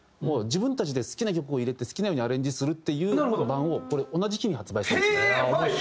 自分たちで好きな曲を入れて好きなようにアレンジするっていうアルバムをこれ同じ日に発売したんですね。